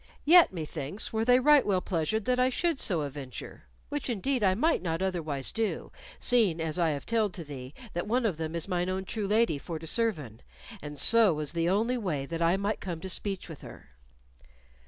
Yet, methinks, were they right well pleasured that I should so aventure, which indeed I might not otherwise do, seeing as I have telled to thee, that one of them is mine own true lady for to serven, and so was the only way that I might come to speech with her."